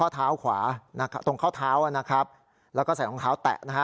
ตรงข้าวเท้านะครับแล้วก็ใส่รองเท้าแตะนะฮะ